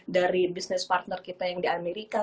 dari bisnis partner kita yang di amerika